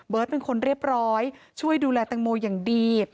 เป็นคนเรียบร้อยช่วยดูแลแตงโมอย่างดี